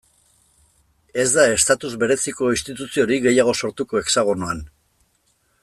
Ez da estatus bereziko instituziorik gehiago sortuko Hexagonoan.